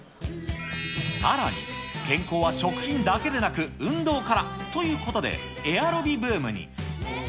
さらに、健康は食品だけでなく、運動からということで、エアロビブームに。